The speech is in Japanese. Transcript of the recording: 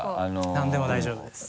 何でも大丈夫です。